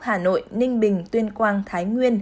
hà nội ninh bình tuyên quang thái nguyên